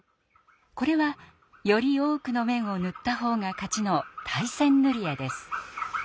これはより多くの面を塗った方が勝ちの「対戦ぬり絵」です。